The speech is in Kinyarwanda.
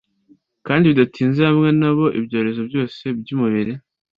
kandi bidatinze hamwe nabo ibyorezo byose byumubiri